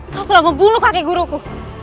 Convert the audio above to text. kau sudah membunuh kakek guruku